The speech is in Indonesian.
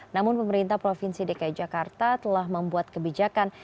namun pemerintah provinsi dki jakarta telah membuat kebijakan